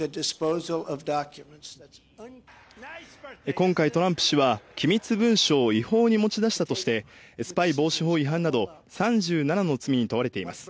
今回トランプ氏は機密文書を違法に持ち出したとして、スパイ防止法違反など３７の罪に問われています。